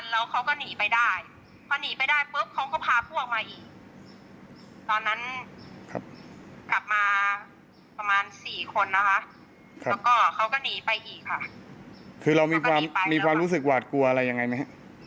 แล้วก็เขาก็หนีไปอีกค่ะคือเรามีความรู้สึกหวาดกลัวอะไรยังไงมั้ย